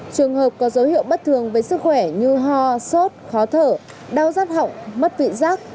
trường hợp có dấu hiệu bất thường với sức khỏe như ho sốt khó thở đau rát hỏng mất vị rác